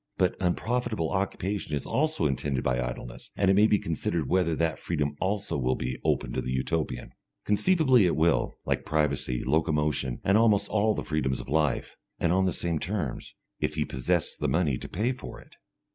But unprofitable occupation is also intended by idleness, and it may be considered whether that freedom also will be open to the Utopian. Conceivably it will, like privacy, locomotion, and almost all the freedoms of life, and on the same terms if he possess the money to pay for it.